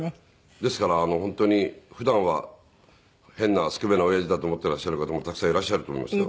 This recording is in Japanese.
ですから本当に普段は変なスケベな親父だと思っていらっしゃる方もたくさんいらっしゃると思いますけど。